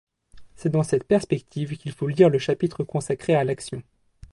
C'est dans cette perspective qu'il faut lire le chapitre consacré à l'action.